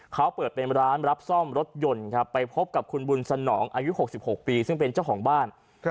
เขาเปิดเป็นร้านรับซ่อมรถยนต์ครับไปพบกับคุณบุญสนองอายุ๖๖ปีซึ่งเป็นเจ้าของบ้าน